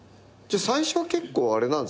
最初は結構あれなんですね。